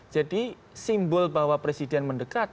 simbol bahwa presiden mendekat